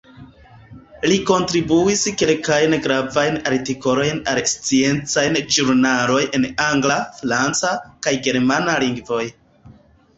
Li kontribuis kelkajn gravajn artikolojn al sciencaj ĵurnaloj en angla, franca kaj germana lingvoj.